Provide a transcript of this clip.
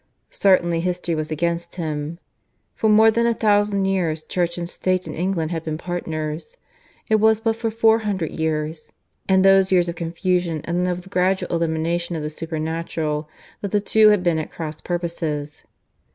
Certainly history was against him. For more than a thousand years Church and State in England had been partners. It was but for four hundred years and those years of confusion and of the gradual elimination of the supernatural that the two had been at cross purposes.